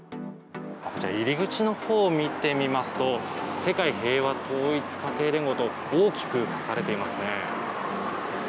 入り口のほうを見てみますと世界平和統一家庭連合と大きく書かれていますね。